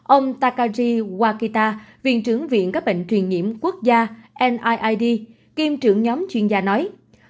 ông takashi wakita viện trưởng viện các bệnh thuyền nhiễm quốc gia niid kiêm trưởng nhóm chuyên gia nói